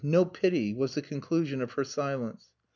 No pity!" was the conclusion of her silence.